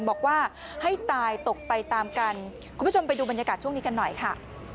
บอกว่าให้ตายตกไปตามกันคุณผู้ชมไปดูบรรยากาศช่วงนี้กันหน่อยค่ะ